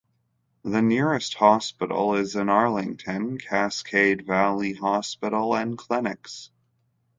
The nearest hospital is in Arlington, Cascade Valley Hospital and Clinics.